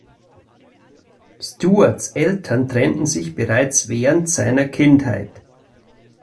Stewards Eltern trennten sich bereits während seiner Kindheit.